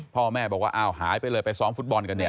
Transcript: พ่อแม่บอกว่าอ้าวหายไปเลยไปซ้อมฟุตบอลกันเนี่ย